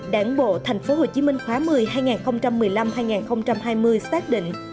đảng bộ thành phố hồ chí minh khóa một mươi hai nghìn một mươi năm hai nghìn hai mươi xác định